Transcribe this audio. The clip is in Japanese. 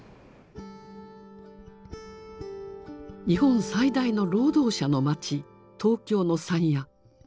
日本最大の労働者の街東京の山谷。